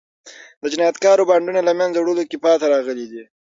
د جنایتکارو بانډونو له منځه وړلو کې پاتې راغلي دي.